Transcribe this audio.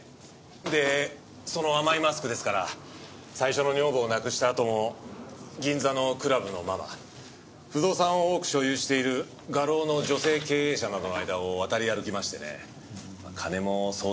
でその甘いマスクですから最初の女房を亡くしたあとも銀座のクラブのママ不動産を多く所有している画廊の女性経営者などの間を渡り歩きましてね金も相当貢がせていたようです。